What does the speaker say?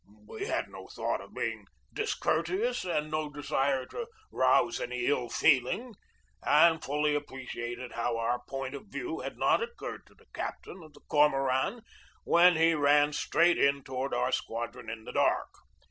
We had no thought of being discourteous and no desire to rouse any ill feeling, and fully appreciated how our point of view had not occurred to the captain of the Cor moran when he ran straight in toward our squadron in the dark.